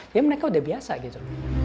ya mereka udah biasa gitu